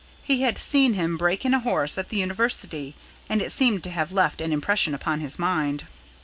He had seen him break in a horse at the University, and it seemed to have left an impression upon his mind.